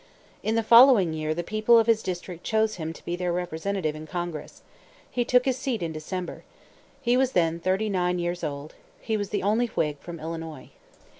In the following year the people of his district chose him to be their representative in Congress. He took his seat in December. He was then thirty nine years old. He was the only Whig from Illinois.